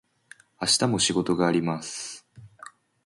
明日も仕事があります。